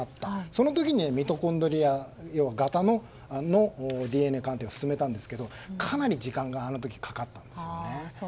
その時に、ミトコンドリア型のＤＮＡ鑑定を進めたんですがかなり時間があの時、かかったんですよね。